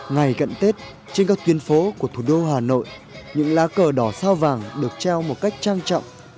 ngày gần tết trên các tuyến phố của thủ đô hà nội những lá cờ đỏ sao vàng được treo một cách trang trọng